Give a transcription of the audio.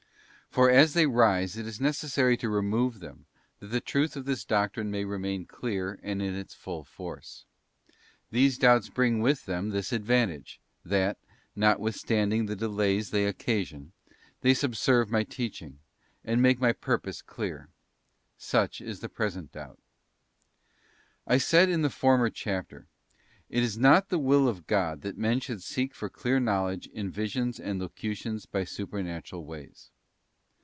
For as they rise, it is necessary to remove them, that the truth of this doctrine may remain clear and in its full force. These doubts bring with them this advantage, that, notwithstanding the delays they oc casion, they subserve my teaching, and make my purpose clear. Such is the present doubt. I said in the former chapter, it is not the will of God that men should seek for clear knowledge in visions and locutions by supernatural ways.